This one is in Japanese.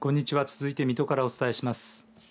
続いて水戸からお伝えします。